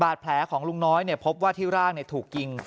แผลของลุงน้อยพบว่าที่ร่างถูกยิง